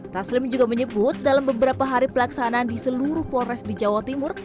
taslim juga menyebut dalam beberapa hari pelaksanaan di seluruh polres di jawa timur